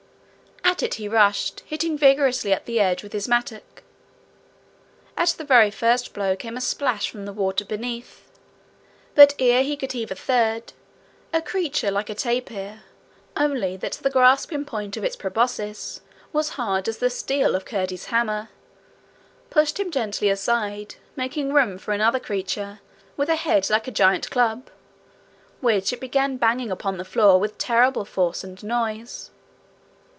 At it he rushed, hitting vigorously at the edge with his mattock. At the very first blow came a splash from the water beneath, but ere he could heave a third, a creature like a tapir, only that the grasping point of its proboscis was hard as the steel of Curdie's hammer, pushed him gently aside, making room for another creature, with a head like a great club, which it began banging upon the floor with terrible force and noise.